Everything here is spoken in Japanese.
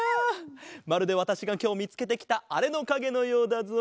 まるでわたしがきょうみつけてきたあれのかげのようだぞ。